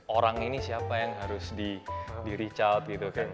orang ini siapa yang harus di rechard gitu kan